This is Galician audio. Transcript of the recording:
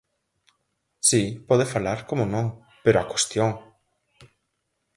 Si, pode falar, como non, pero á cuestión.